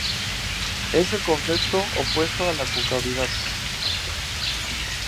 Es el concepto opuesto a la 'concavidad'.